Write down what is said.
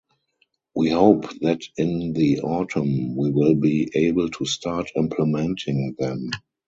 We hope that in the autumn we will be able to start implementing them.